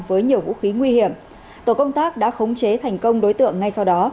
với nhiều vũ khí nguy hiểm tổ công tác đã khống chế thành công đối tượng ngay sau đó